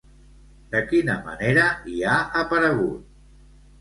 De quina manera hi ha aparegut?